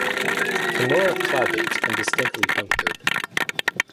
Femora clavate and distinctly punctured.